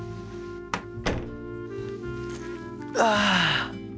ああ。